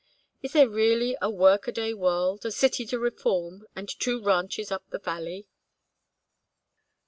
Is there really a workaday world, a city to reform, and two ranches up the valley?"